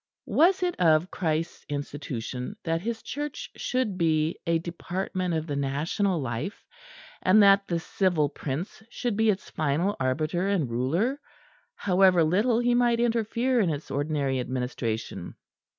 Was it of Christ's institution that His Church should be a department of the National Life; and that the civil prince should be its final arbiter and ruler, however little he might interfere in its ordinary administration?